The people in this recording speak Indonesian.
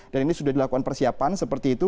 dan ini sudah dilakukan persiapan seperti itu